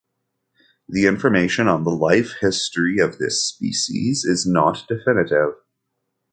The information on the life history of this species is not definitive.